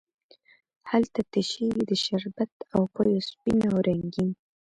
هلته تشیږې د شربت او پېو سپین او رنګین،